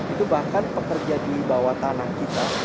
itu bahkan pekerja di bawah tanah kita